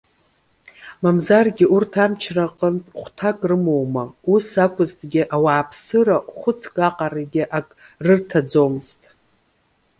Мамзаргьы урҭ амчра аҟынтә хәҭак рымоума? Ус акәызҭгьы, ауааԥсыра хәыцк аҟарагьы ак рырҭаӡомызт.